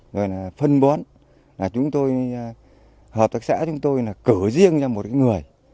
rồi là phân bón là chúng tôi hợp tác xã chúng tôi là cử riêng cho một cái người